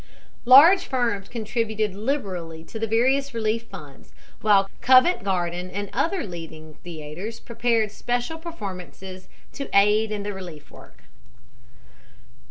Large firms contributed liberally to the various relief funds, while Covent Garden and other leading theaters prepared special performances to aid in the relief work.